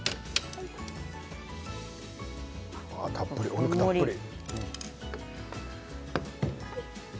お肉たっぷり。